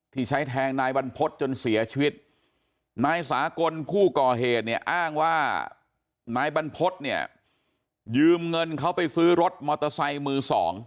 ที่ใช้แทงนายบรรพฤษจนเสียชีวิตนายสากลผู้ก่อเหตุเนี่ยอ้างว่านายบรรพฤษเนี่ยยืมเงินเขาไปซื้อรถมอเตอร์ไซค์มือ๒